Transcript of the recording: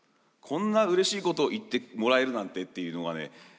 こんなうれしいこと言ってもらえるなんてっていうのがね。